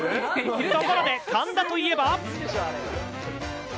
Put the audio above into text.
ところで、神田といえば。